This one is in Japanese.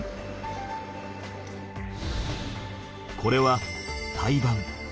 これは胎盤。